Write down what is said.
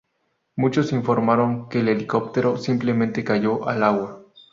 Muchos informaron que el helicóptero simplemente cayó al agua.